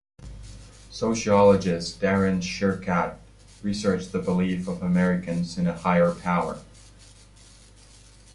Sociologist Darren Sherkat researched the belief of Americans in a higher power.